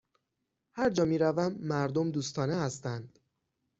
هرجا می روم، مردم دوستانه هستند.